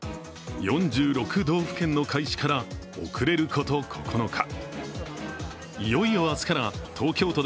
４６道府県の開始から遅れること９日。